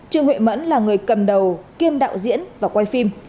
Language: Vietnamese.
trương huệ mẫn là người cầm đầu kiêm đạo diễn và quay phim